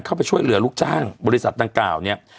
เข้าไปช่วยเหลือลูกจ้างบริษัทดังกล่าวเนี่ย